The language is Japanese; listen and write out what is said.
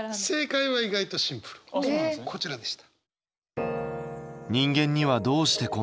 こちらでした。